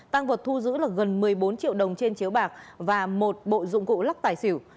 tăng vật thu giữ là gần một mươi bốn triệu đồng trên chiếu bạc và một bộ dụng cụ lắc tài xỉu